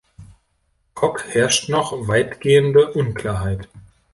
Kok herrscht noch weitgehende Unklarheit.